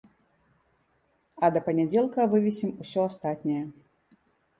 А да панядзелка вывесім усё астатняе.